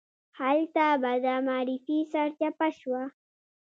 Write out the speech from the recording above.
هلته به دا معرفي سرچپه شوه.